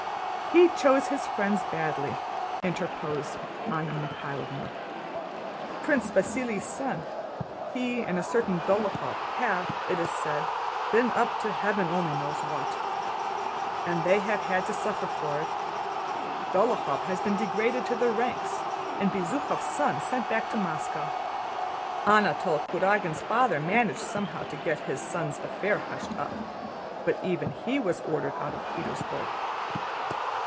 "He chose his friends badly," interposed Anna Mikháylovna. "Prince Vasíli's son, he, and a certain Dólokhov have, it is said, been up to heaven only knows what! And they have had to suffer for it. Dólokhov has been degraded to the ranks and Bezúkhov's son sent back to Moscow. Anatole Kurágin's father managed somehow to get his son's affair hushed up, but even he was ordered out of Petersburg."